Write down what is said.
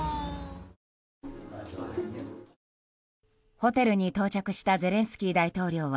ホテルに到着したゼレンスキー大統領は